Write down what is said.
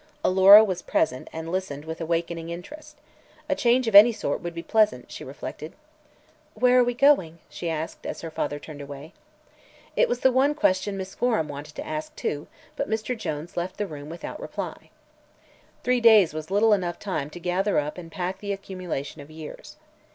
Alora was present and listened with awakening interest. A change of any sort would be pleasant, she reflected. "Where are we going?" she asked, as her father turned away. It was the one question Miss Gorham wanted to ask, too, but Mr. Jones left the room without reply. Three days was little enough time to gather up and pack the accumulation of years.